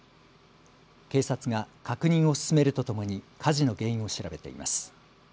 警察が確認を進めるとともに火事の原因を調べています。